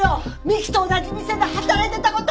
美希と同じ店で働いてた事！